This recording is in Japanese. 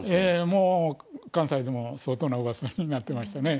もう関西でも相当なうわさになってましたね。